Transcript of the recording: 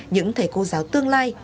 những thầy cô giáo tương lai